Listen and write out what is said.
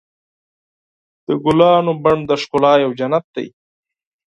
د ګلانو بڼ د ښکلا یو جنت دی.